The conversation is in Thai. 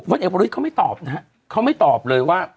เอกประวิทย์เขาไม่ตอบนะฮะเขาไม่ตอบเลยว่า